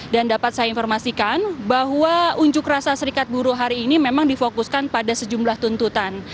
dan dapat saya informasikan bahwa unjuk rasa serikat buruh hari ini memang difokuskan pada sejumlah tuntutan